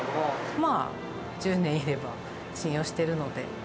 まあ、１０年いれば信用してるので。